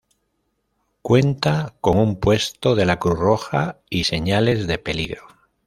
Cuenta con un puesto de la Cruz Roja y señales de peligro.